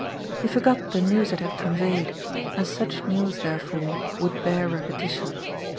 He forgot the news it had conveyed, and such news, therefore, would bear repetition.